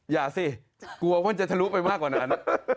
อย่าสิกลัวว่าจะทะลุไปมากกว่านั้น